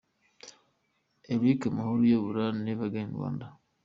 Eric Mahoro uyobora Never Again- Rwanda.